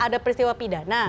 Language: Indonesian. ada peristiwa pidana